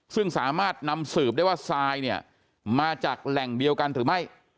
ซึ่งสามารถนำสืบได้ว่าทรายเนี่ยมาจากแหล่งเดียวกันหรือไม่